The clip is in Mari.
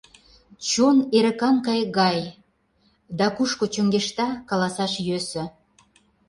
Чон эрыкан кайык гай, да, кушко чоҥешта, каласаш йӧсӧ.